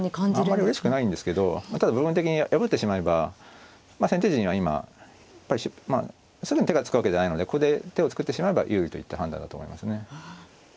あんまりうれしくないんですけどただ部分的に破ってしまえば先手陣は今やっぱりまあすぐに手が付くわけじゃないのでここで手を作ってしまえば有利といった判断だと思いますね。